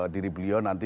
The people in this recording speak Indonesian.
diri beliau nanti